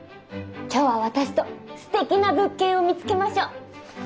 今日は私とすてきな物件を見つけましょう。